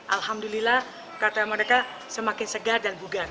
alhamdulillah kata mereka semakin segar dan bugar